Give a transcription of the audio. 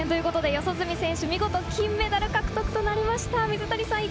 四十住選手、見事金メダル獲得となりました。